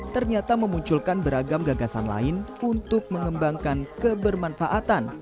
ternyata memunculkan beragam gagasan lain untuk mengembangkan kebermanfaatan